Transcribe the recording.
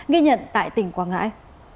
ghi nhận tại tỉnh quảng ngãi